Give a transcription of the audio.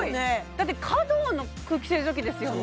だってｃａｄｏの空気清浄機ですよね